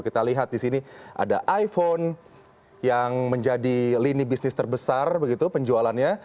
kita lihat di sini ada iphone yang menjadi lini bisnis terbesar begitu penjualannya